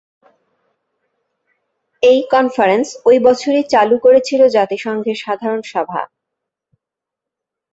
এই কনফারেন্স ঐ বছরই চালু করেছিল জাতিসংঘের সাধারণ সভা।